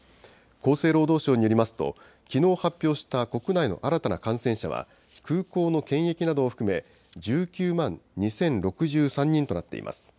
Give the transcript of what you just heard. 厚生労働省によりますと、きのう発表した国内の新たな感染者は、空港の検疫などを含め、１９万２０６３人となっています。